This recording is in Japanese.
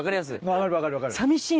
分かる分かる分かる。